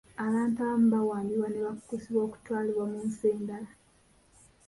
Abantu abamu bawambibwa ne bakukusibwa okutwalibwa mu nsi endala.